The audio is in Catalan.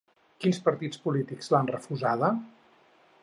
Quins partits polítics l'han refusada?